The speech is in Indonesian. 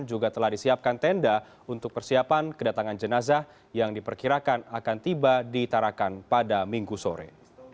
juga telah disiapkan tenda untuk persiapan kedatangan jenazah yang diperkirakan akan tiba di tarakan pada minggu sore